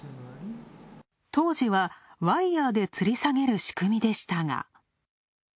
当時は、ワイヤーで吊り下げる仕組みでしたが。